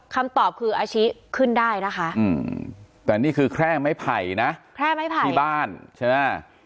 คำตอบคืออาชิขึ้นได้นะคะแต่นี่คือแค่ไม้ไผ่นะแค่ไม้ไผ่ที่บ้านใช่ไหม